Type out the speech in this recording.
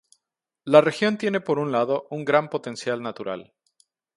La región tiene por un lado un gran potencial natural.